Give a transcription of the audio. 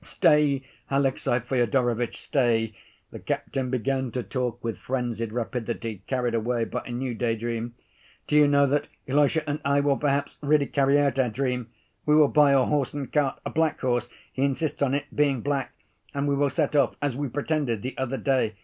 "Stay, Alexey Fyodorovitch, stay," the captain began to talk with frenzied rapidity, carried away by a new day‐dream. "Do you know that Ilusha and I will perhaps really carry out our dream. We will buy a horse and cart, a black horse, he insists on its being black, and we will set off as we pretended the other day.